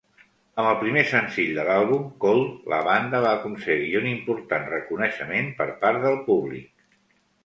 Amb el primer senzill de l'àlbum, "Cold", la banda va aconseguir un important reconeixement per part del públic.